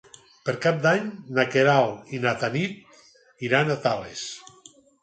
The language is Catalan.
Per Cap d'Any na Queralt i na Tanit iran a Tales.